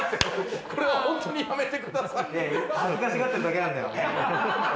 恥ずかしがってるだけなんだよ。